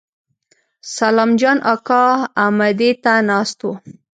سلام جان اکا امدې ته ناست و.